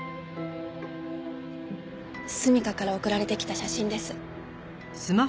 純夏から送られてきた写真です。